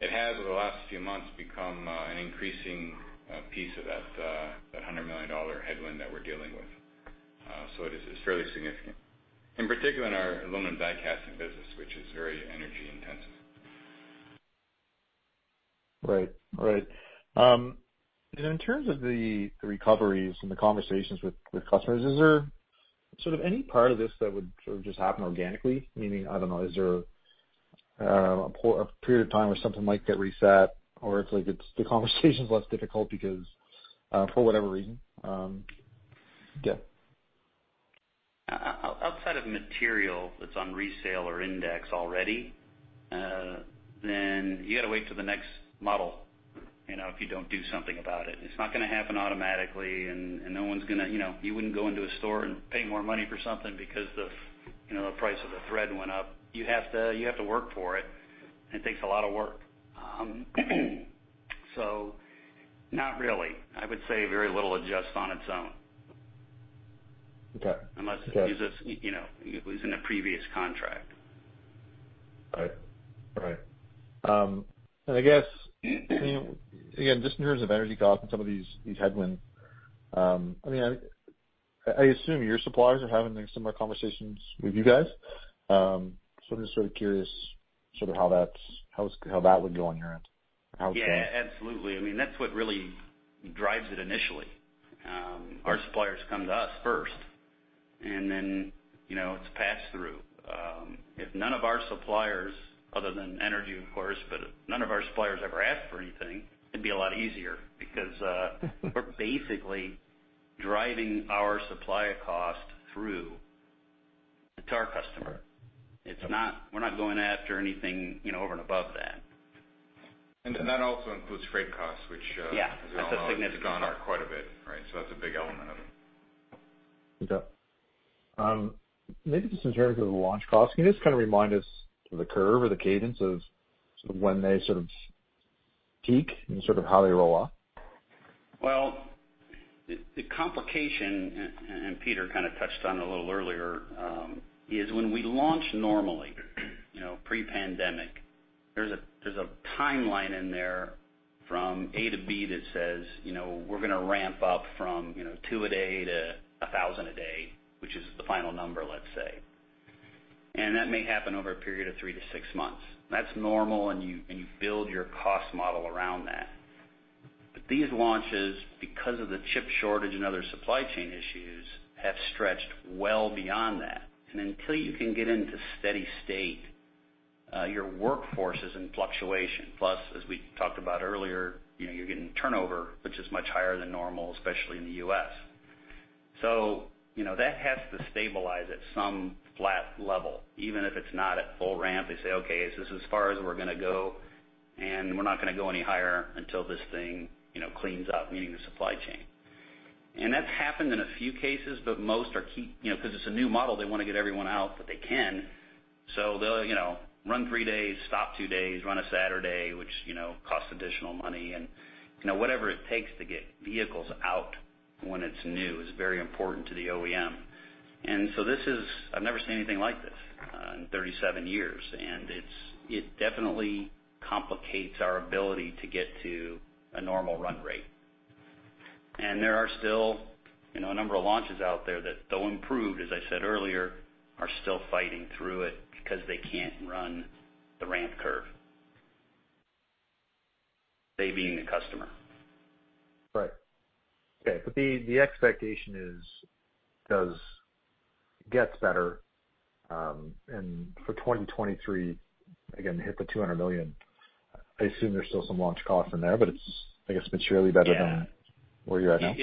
It has over the last few months become an increasing piece of that 100 million dollar headwind that we're dealing with. It is, it's fairly significant. In particular in our aluminum die casting business, which is very energy intensive. Right. In terms of the recoveries and the conversations with customers, is there sort of any part of this that would sort of just happen organically? Meaning, I don't know, is there a period of time where something might get reset or it's like the conversation's less difficult because, for whatever reason, yeah. Outside of material that's on resale or index already, then you gotta wait till the next model, you know, if you don't do something about it. It's not gonna happen automatically and no one's gonna. You know, you wouldn't go into a store and pay more money for something because the, you know, the price of the thread went up. You have to work for it, and it takes a lot of work. Not really. I would say very little adjusts on its own. Okay. Okay. Unless it is, you know, it was in a previous contract. Right. I guess, you know, again, just in terms of energy costs and some of these headwinds, I mean, I assume your suppliers are having similar conversations with you guys. I'm just sort of curious how that would go on your end or how it's going. Yeah, absolutely. I mean, that's what really drives it initially. Our suppliers come to us first, and then, you know, it's pass through. If none of our suppliers, other than energy of course, but if none of our suppliers ever asked for anything, it'd be a lot easier because we're basically driving our supplier cost through to our customer. It's not. We're not going after anything, you know, over and above that. That also includes freight costs, which Yeah. That's a significant. As we all know, has gone up quite a bit, right? That's a big element of it. Okay. Maybe just in terms of the launch costs, can you just kind of remind us the curve or the cadence of sort of when they sort of peak and sort of how they roll off? The complication, and Peter kind of touched on it a little earlier, is when we launch normally, you know, pre-pandemic, there's a timeline in there from A to B that says, you know, we're gonna ramp up from, you know, two a day to 1,000 a day, which is the final number, let's say. That may happen over a period of three to six months. That's normal, and you build your cost model around that. These launches, because of the chip shortage and other supply chain issues, have stretched well beyond that. Until you can get into steady state, your workforce is in fluctuation. Plus, as we talked about earlier, you know, you're getting turnover, which is much higher than normal, especially in the U.S. You know, that has to stabilize at some flat level, even if it's not at full ramp. They say, "Okay, is this as far as we're gonna go? And we're not gonna go any higher until this thing, you know, cleans up," meaning the supply chain. That's happened in a few cases, but most are you know, 'cause it's a new model, they wanna get everyone out that they can. They'll, you know, run three days, stop two days, run a Saturday, which, you know, costs additional money and, you know, whatever it takes to get vehicles out when it's new is very important to the OEM. This is. I've never seen anything like this in 37 years, and it definitely complicates our ability to get to a normal run rate. There are still, you know, a number of launches out there that, though improved, as I said earlier, are still fighting through it because they can't run the ramp curve. They being the customer. The expectation is gets better, and for 2023, again, hit the 200 million. I assume there's still some launch cost in there, but it's, I guess, materially better than. Yeah. where you're at now.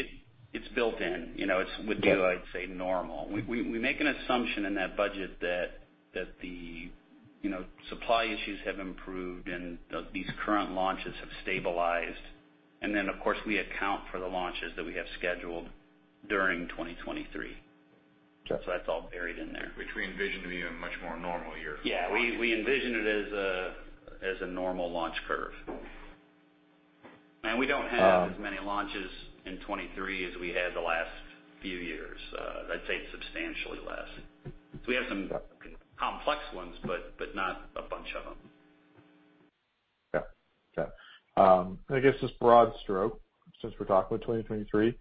It's built in. You know, it's within. Okay. What I'd say normal. We make an assumption in that budget that the, you know, supply issues have improved and these current launches have stabilized. Then, of course, we account for the launches that we have scheduled during 2023. Okay. That's all buried in there. Which we envision to be a much more normal year. Yeah. We envision it as a normal launch curve. We don't have. Um- as many launches in 2023 as we had the last few years. I'd say substantially less. We have some- Yeah. complex ones, but not a bunch of them. Yeah. I guess just broad stroke, since we're talking about 2023,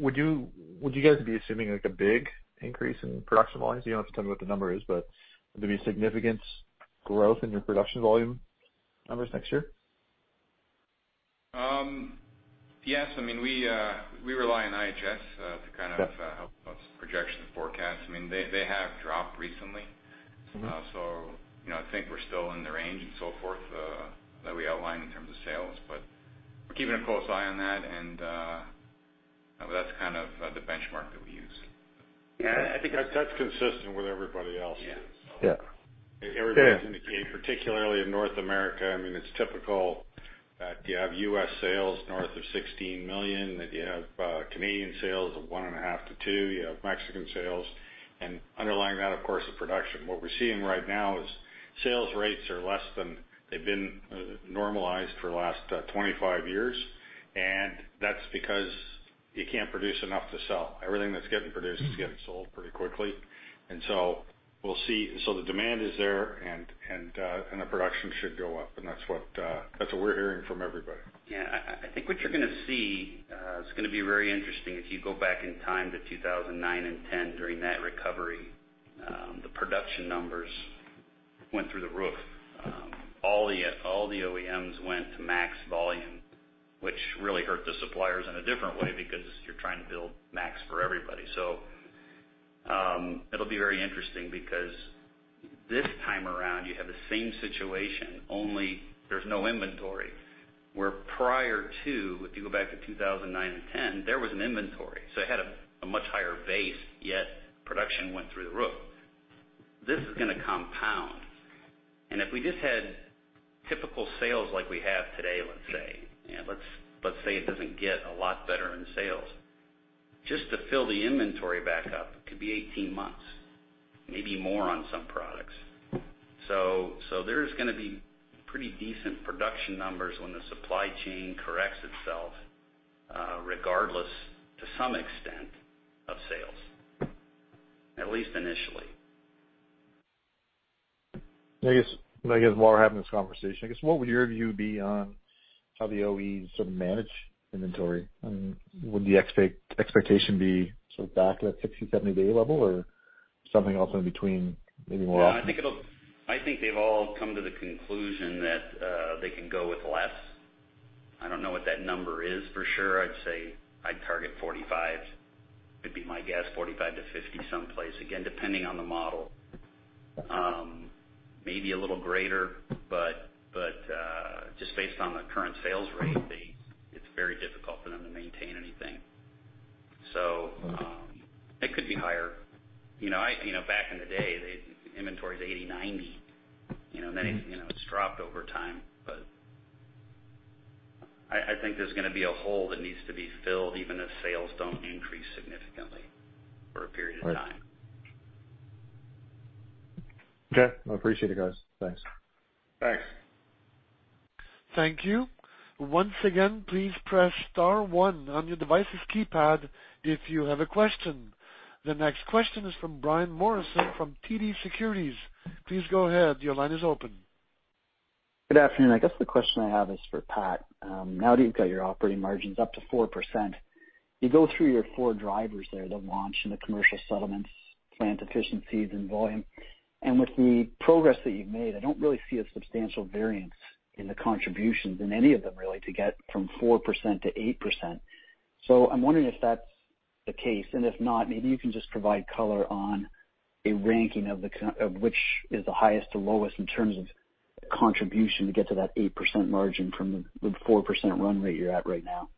would you guys be assuming like a big increase in production volumes? You don't have to tell me what the number is, but would there be significant growth in your production volume numbers next year? Yes. I mean, we rely on IHS. Yeah. to kind of help us project on the forecast. I mean, they have dropped recently. Mm-hmm. You know, I think we're still in the range and so forth that we outlined in terms of sales, but we're keeping a close eye on that and, but that's kind of the benchmark that we use. Yeah. I think that's consistent with everybody else's. Yeah. Yeah. Everybody's indicating, particularly in North America, I mean, it's typical that you have U.S. sales north of 16 million, that you have Canadian sales of 1.5-2, you have Mexican sales, and underlying that, of course, the production. What we're seeing right now is sales rates are less than they've been normalized for the last 25 years. That's because You can't produce enough to sell. Everything that's getting produced is getting sold pretty quickly. We'll see. The demand is there and the production should go up. That's what we're hearing from everybody. Yeah. I think what you're gonna see is gonna be very interesting if you go back in time to 2009 and 2010 during that recovery, the production numbers went through the roof. All the OEMs went to max volume, which really hurt the suppliers in a different way because you're trying to build max for everybody. It'll be very interesting because this time around, you have the same situation, only there's no inventory. Where prior to, if you go back to 2009 and 2010, there was an inventory, so it had a much higher base, yet production went through the roof. This is gonna compound. If we just had typical sales like we have today, let's say, you know, let's say it doesn't get a lot better in sales. Just to fill the inventory back up, it could be 18 months, maybe more on some products. There's gonna be pretty decent production numbers when the supply chain corrects itself, regardless to some extent of sales, at least initially. I guess while we're having this conversation, I guess what would your view be on how the OEMs sort of manage inventory? I mean, would the expectation be sort of back at a 60-70 day level or something else in between, maybe more often? No, I think they've all come to the conclusion that they can go with less. I don't know what that number is for sure. I'd say I'd target 45. It'd be my guess, 45-50 someplace. Again, depending on the model. Maybe a little greater, but just based on the current sales rate, it's very difficult for them to maintain anything. It could be higher. You know, back in the day, the inventory is 80, 90. You know, many, you know, it's dropped over time. I think there's gonna be a hole that needs to be filled even if sales don't increase significantly for a period of time. Right. Okay. I appreciate it, guys. Thanks. Thanks. Thank you. Once again, please press star one on your device's keypad if you have a question. The next question is from Brian Morrison from TD Securities. Please go ahead. Your line is open. Good afternoon. I guess the question I have is for Pat. Now that you've got your operating margins up to 4%, you go through your four drivers there, the launch and the commercial settlements, plant efficiencies and volume. With the progress that you've made, I don't really see a substantial variance in the contributions in any of them, really, to get from 4% to 8%. I'm wondering if that's the case, and if not, maybe you can just provide color on a ranking of which is the highest to lowest in terms of contribution to get to that 8% margin from the 4% run rate you're at right now.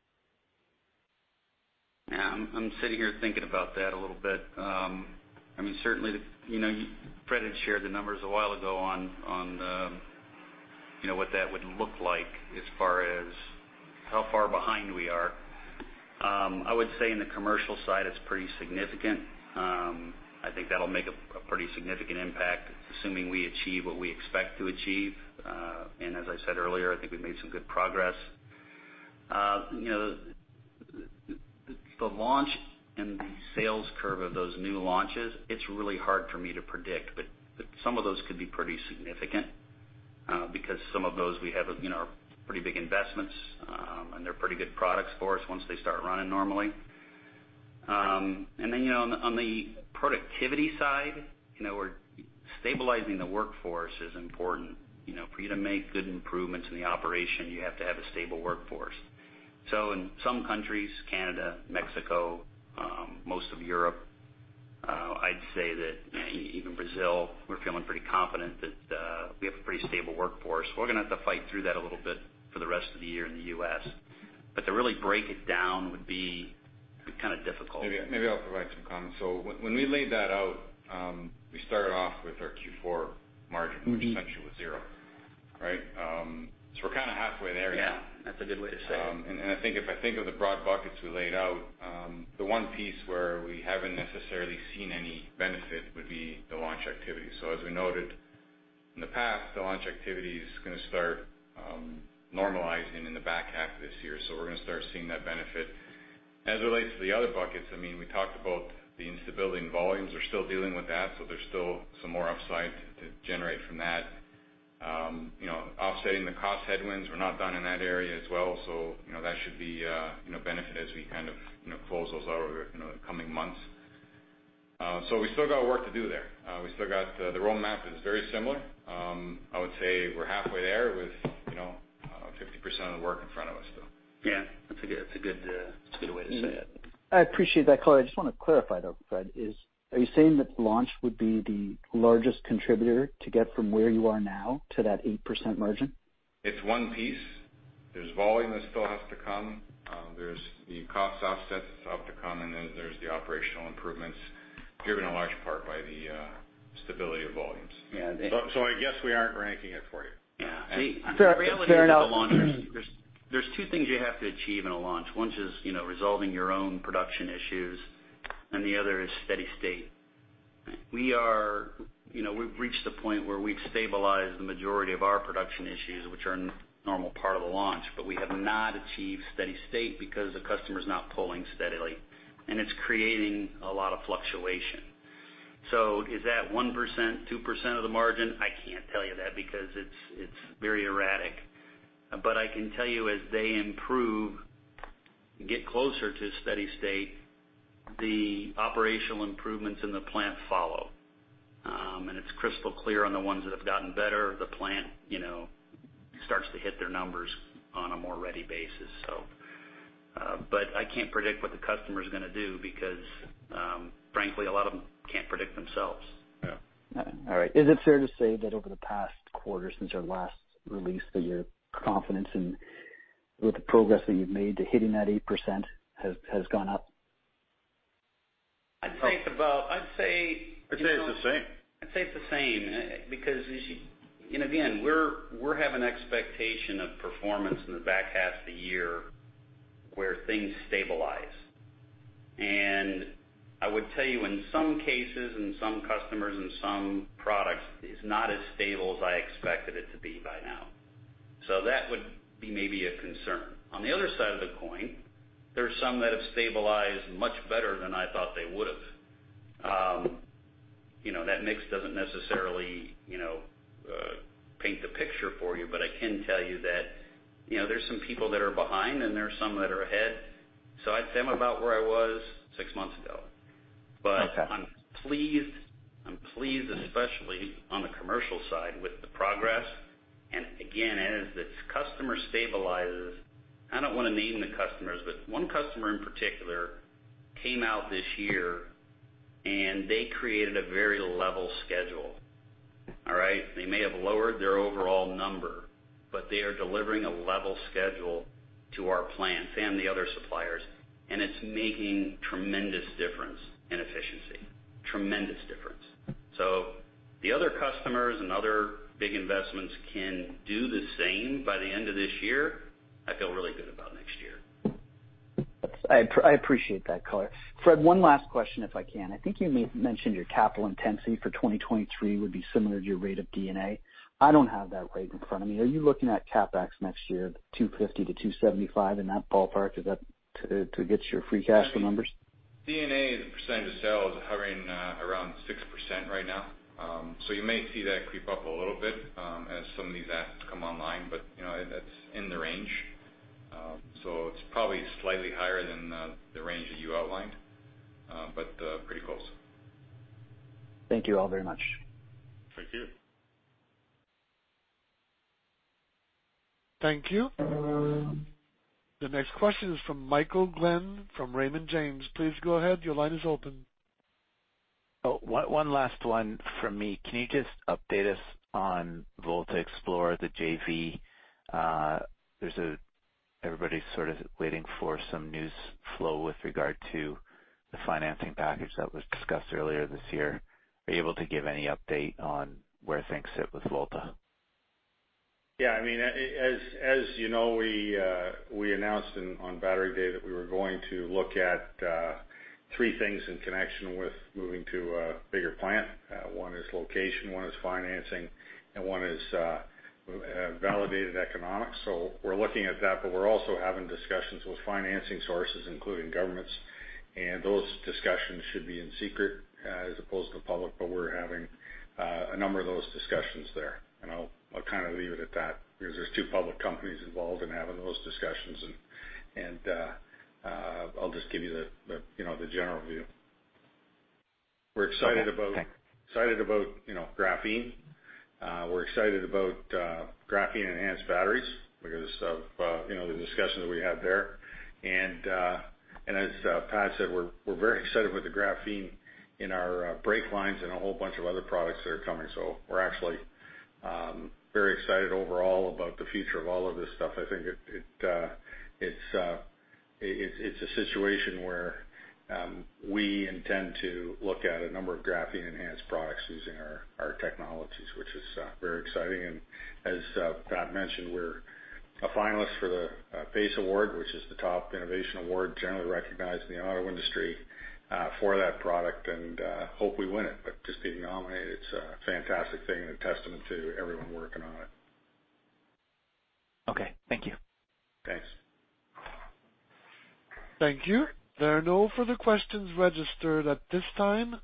Yeah. I'm sitting here thinking about that a little bit. I mean, certainly, you know, Fred had shared the numbers a while ago on the you know, what that would look like as far as how far behind we are. I would say in the commercial side, it's pretty significant. I think that'll make a pretty significant impact, assuming we achieve what we expect to achieve. As I said earlier, I think we've made some good progress. You know, the launch and the sales curve of those new launches, it's really hard for me to predict. Some of those could be pretty significant, because some of those we have, you know, are pretty big investments, and they're pretty good products for us once they start running normally. You know, on the productivity side, you know, stabilizing the workforce is important. You know, for you to make good improvements in the operation, you have to have a stable workforce. In some countries, Canada, Mexico, most of Europe, I'd say that, even Brazil, we're feeling pretty confident that we have a pretty stable workforce. We're gonna have to fight through that a little bit for the rest of the year in the U.S. To really break it down would be kind of difficult. Maybe I'll provide some comments. When we laid that out, we started off with our Q4 margin- Mm-hmm. -which essentially was zero. Right? We're kinda halfway there now. Yeah, that's a good way to say it. I think if I think of the broad buckets we laid out, the one piece where we haven't necessarily seen any benefit would be the launch activity. As we noted in the past, the launch activity is gonna start normalizing in the back half of this year, so we're gonna start seeing that benefit. As it relates to the other buckets, I mean, we talked about the instability in volumes. We're still dealing with that, so there's still some more upside to generate from that. You know, offsetting the cost headwinds, we're not done in that area as well, so, you know, that should be, you know, benefit as we kind of, you know, close those over, you know, in the coming months. We still got work to do there. We still got, the roadmap is very similar. I would say we're halfway there with, you know, 50% of the work in front of us still. Yeah, that's a good way to say it. I appreciate that color. I just wanna clarify, though, Fred. Are you saying that launch would be the largest contributor to get from where you are now to that 8% margin? It's one piece. There's volume that still has to come. There's the cost offsets that have to come, and then there's the operational improvements driven in large part by the stability of volumes. Yeah. I guess we aren't ranking it for you. Yeah. I mean. Fair enough. The reality is the launch. There's two things you have to achieve in a launch. One is, you know, resolving your own production issues, and the other is steady state. We, you know, have reached the point where we've stabilized the majority of our production issues, which are a normal part of the launch. We have not achieved steady state because the customer is not pulling steadily, and it's creating a lot of fluctuation. Is that 1%, 2% of the margin? I can't tell you that because it's very erratic. I can tell you as they improve, get closer to steady state, the operational improvements in the plant follow. It's crystal clear on the ones that have gotten better. The plant, you know, starts to hit their numbers on a more regular basis, so. I can't predict what the customer is gonna do because, frankly, a lot of them can't predict themselves. Yeah. All right. Is it fair to say that over the past quarter since your last release that your confidence in with the progress that you've made to hitting that 8% has gone up? I'd say it's about. I'd say it's the same. I'd say it's the same. Because, and again, we're having expectation of performance in the back half of the year where things stabilize. I would tell you in some cases and some customers and some products is not as stable as I expected it to be by now. That would be maybe a concern. On the other side of the coin, there are some that have stabilized much better than I thought they would've. You know, that mix doesn't necessarily, you know, paint the picture for you, but I can tell you that, you know, there's some people that are behind, and there are some that are ahead. I'd say I'm about where I was six months ago. Okay. I'm pleased especially on the commercial side with the progress. Again, as this customer stabilizes, I don't wanna name the customers, but one customer in particular came out this year, and they created a very level schedule. All right. They may have lowered their overall number, but they are delivering a level schedule to our plant and the other suppliers, and it's making tremendous difference in efficiency. Tremendous difference. The other customers and other big investments can do the same by the end of this year. I feel really good about next year. I appreciate that color. Fred, one last question, if I can. I think you mentioned your capital intensity for 2023 would be similar to your rate of D&A. I don't have that rate in front of me. Are you looking at CapEx next year, 250-275 in that ballpark? Is that to get your free cash flow numbers? D&A as a percent of sales hovering around 6% right now. You may see that creep up a little bit as some of these assets come online, but you know that's in the range. It's probably slightly higher than the range that you outlined, but pretty close. Thank you all very much. Thank you. Thank you. The next question is from Michael Glen from Raymond James. Please go ahead. Your line is open. One last one from me. Can you just update us on VoltaXplore, the JV? Everybody's sort of waiting for some news flow with regard to the financing package that was discussed earlier this year. Are you able to give any update on where things sit with Volta? Yeah. I mean, as you know, we announced on battery day that we were going to look at three things in connection with moving to a bigger plant. One is location, one is financing, and one is validated economics. We're looking at that, but we're also having discussions with financing sources, including governments. Those discussions should be in secret as opposed to public, but we're having a number of those discussions there. I'll kind of leave it at that because there's two public companies involved in having those discussions, and I'll just give you the, you know, the general view. We're excited about. Okay, thanks. Excited about, you know, GrapheneGuard™. We're excited about GrapheneGuard™ enhanced batteries because of, you know, the discussions we had there. As Pat said, we're very excited with the GrapheneGuard™ in our brake lines and a whole bunch of other products that are coming. We're actually very excited overall about the future of all of this stuff. I think it's a situation where we intend to look at a number of GrapheneGuard™ enhanced products using our technologies, which is very exciting. As Pat mentioned, we're a finalist for the PACE Award, which is the top innovation award generally recognized in the auto industry for that product, and hope we win it. Just being nominated, it's a fantastic thing and a testament to everyone working on it. Okay. Thank you. Thanks. Thank you. There are no further questions registered at this time.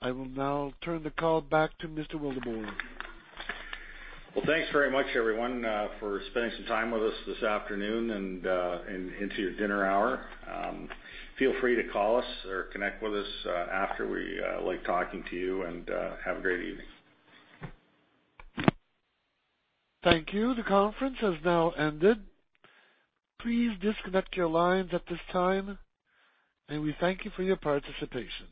I will now turn the call back to Mr. Wildeboer. Well, thanks very much everyone for spending some time with us this afternoon and into your dinner hour. Feel free to call us or connect with us after. We like talking to you and have a great evening. Thank you. The conference has now ended. Please disconnect your lines at this time, and we thank you for your participation.